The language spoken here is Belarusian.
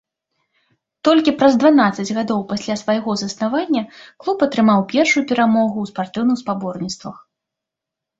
Толькі праз дванаццаць гадоў пасля свайго заснавання клуб атрымаў першую перамогу ў спартыўных спаборніцтвах.